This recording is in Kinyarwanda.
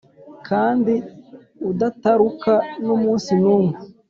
kandi udataruka n’umunsi n’umwe,